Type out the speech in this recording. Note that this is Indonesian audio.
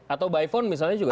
atau by phone misalnya juga